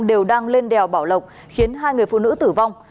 đều đang lên đèo bảo lộc khiến hai người phụ nữ tử vong